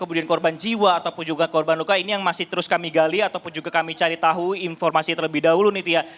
kemudian korban jiwa ataupun juga korban luka ini yang masih terus kami gali ataupun juga kami cari tahu informasi terlebih dahulu nih